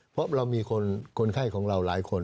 เพราะเรามีคนไข้ของเราหลายคน